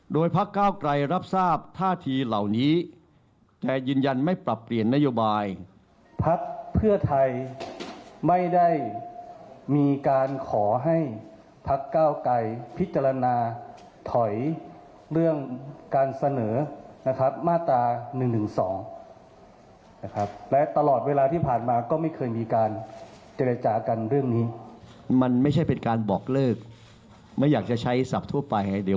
โดยพักเก้าไกรรับทราบท่าทีเหล่านี้แกยืนยันไม่ปรับเปลี่ยนนโยบายพักเพื่อไทยไม่ได้มีการขอให้พักเก้าไกรพิจารณาถอยเรื่องการเสนอนะครับมาตรา๑๑๒นะครับและตลอดเวลาที่ผ่านมาก็ไม่เคยมีการเจรจากันเรื่องนี้มันไม่ใช่เป็นการบอกเลิกไม่อยากจะใช้ศัพท์ทั่วไปเดี๋ยว